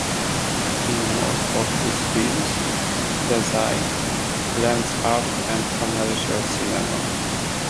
In most of his films, Desai blends art and commercial cinema.